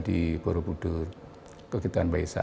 di borobudur kegiatan waisak